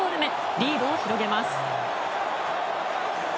リードを広げます。